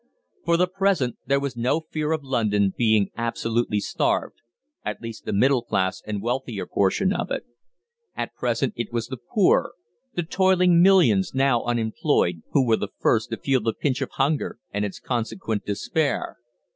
For the present there was no fear of London being absolutely starved, at least the middle class and wealthier portion of it. At present it was the poor the toiling millions now unemployed who were the first to feel the pinch of hunger and its consequent despair.